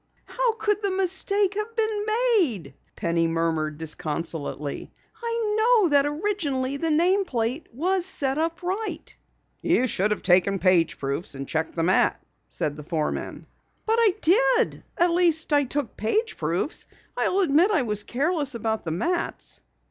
"How could the mistake have been made?" Penny murmured disconsolately. "I know that originally the name plate was set up right." "You should have taken page proofs and checked the mat," said the foreman. "But I did! At least I took page proofs. I'll admit I was careless about the mats."